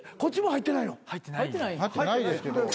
入ってないですけど。